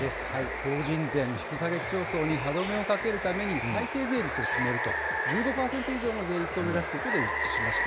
法人税の引き下げ競争に歯止めをかけるために最低税率を決めると、１５％以上の税率を目指すことで一致しました。